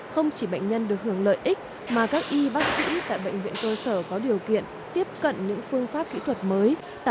không chỉ bệnh nhân được hưởng lợi ích mà các y bác sĩ tại bệnh viện cơ sở có điều kiện tiếp cận những phương pháp kỹ thuật mới